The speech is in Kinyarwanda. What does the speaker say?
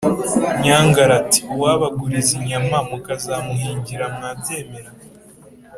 " nyangara, ati: « uwabaguriza inyama mukazamuhingira mwabyemera ‘»